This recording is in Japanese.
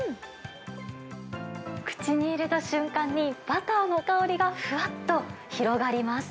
口に入れた瞬間に、バターの香りがふわっと広がります。